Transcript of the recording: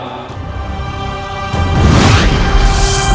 berhasil signals dahulu